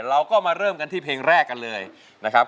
เราก็มาเริ่มกันที่เพลงแรกกันเลยนะครับ